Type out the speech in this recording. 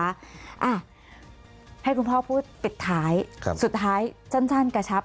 อ่ะให้คุณพ่อพูดปิดท้ายครับสุดท้ายสั้นกระชับ